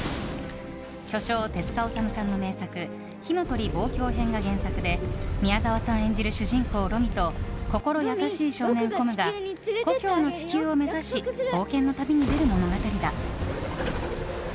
巨匠・手塚治虫さんの名作「火の鳥望郷編」が原作で宮沢さん演じる主人公・ロミと心優しい少年・コムが故郷の地球を目指し冒険の旅に出る物語だ。